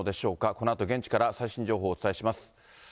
このあと現地から最新情報をお伝えします。